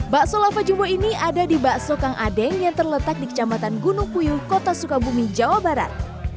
bakso lava jumbo ini ada di bakso kang adeng yang terletak di kecamatan gunung puyuh kota sukabumi jawa barat